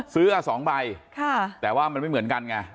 ซื้อ๒ใบแต่ว่ามันไม่เหมือนกันไง